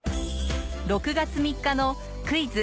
６月３日の『クイズ！